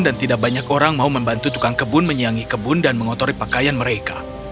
dan tidak banyak orang mau membantu tukang kebun menyiyangi kebun dan mengotori pakaian mereka